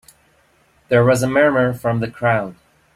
There was a murmur from the crowd.